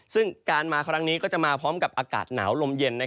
ซึ่งการมาครั้งนี้ก็จะมาพร้อมกับอากาศหนาวลมเย็น